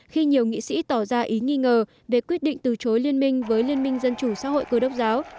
khi nhiều nghị sĩ tỏ ra ý nghi ngờ về quyết định từ chối liên minh với liên minh dân chủ xã hội cơ đốc giáo